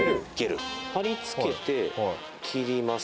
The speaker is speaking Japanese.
貼り付けて切ります。